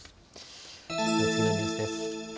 次のニュースです。